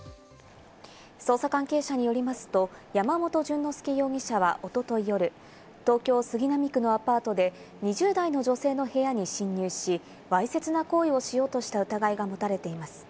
捜査関係者によりますと、山本潤之介容疑者はおととい夜、東京・杉並区のアパートで２０代の女性の部屋に侵入し、わいせつな行為をしようとした疑いが持たれています。